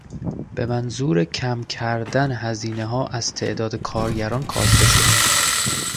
بهمنظور کم کردن هزینهها از تعداد کارگران کاسته شد.